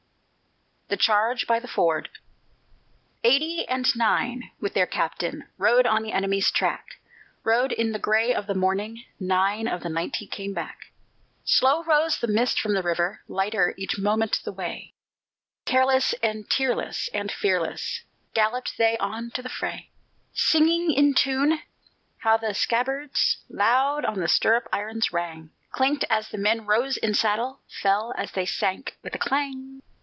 THE CHARGE BY THE FORD Eighty and nine with their captain Rode on the enemy's track, Rode in the gray of the morning: Nine of the ninety came back. Slow rose the mist from the river, Lighter each moment the way: Careless and tearless and fearless Galloped they on to the fray. Singing in tune, how the scabbards Loud on the stirrup irons rang, Clinked as the men rose in saddle, Fell as they sank with a clang.